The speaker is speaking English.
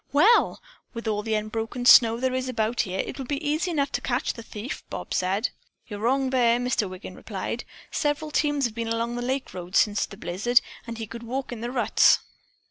"Well, with all the unbroken snow there is about here, it will be easy enough to catch the thief," Bob said. "You're wrong there!" Mr. Wiggin replied. "Several teams have been along the lake road since the blizzard, and he could walk in the ruts."